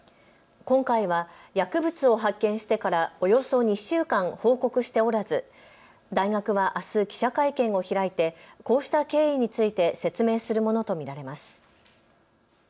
今回は薬物を発見してからおよそ２週間報告しておらず大学はあす記者会見を開いてこうした経緯について説明するものと見られます。